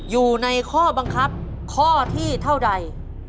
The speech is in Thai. อยู่ในข้อบังคับข้อที่เท่าใด